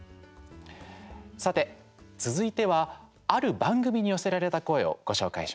さて、続いては、ある番組に寄せられた声をご紹介します。